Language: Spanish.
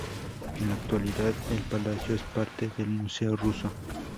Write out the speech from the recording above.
En la actualidad, el palacio es parte del Museo Ruso.